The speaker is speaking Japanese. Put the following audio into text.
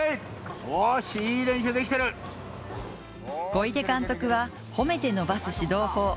小出監督は、褒めて伸ばす指導法。